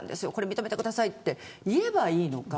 認めてくださいと言えばいいのか。